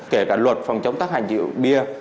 kể cả luật phòng chống tất hại rượu bia